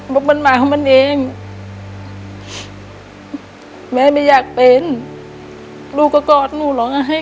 บอกมันมาเพราะมันเองแม่ไม่อยากเป็นลูกก็ก้อนหนูหล่องให้